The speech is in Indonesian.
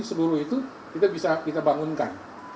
seluruh itu kita bisa kita bangunkan